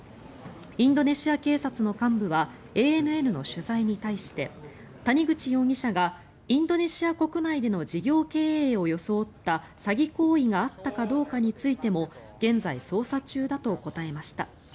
インドネシア警察の幹部はＡＮＮの取材に対して谷口容疑者がインドネシア国内での事業経営を装った詐欺行為があったかどうかについても現在捜査中だと答えました。